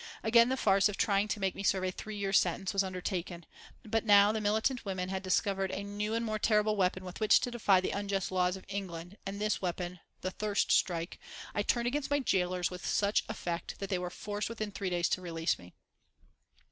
Again the farce of trying to make me serve a three years' sentence was undertaken. But now the militant women had discovered a new and more terrible weapon with which to defy the unjust laws of England, and this weapon the thirst strike I turned against my gaolers with such effect that they were forced within three days to release me.